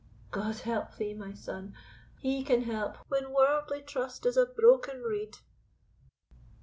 "God help thee, my son! He can help when worldly trust is a broken reed."